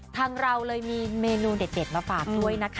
ทางเราเลยมีเมนูเด็ดมาฝากด้วยนะคะ